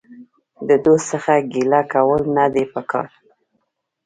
د دوست څخه ګيله کول نه دي په کار.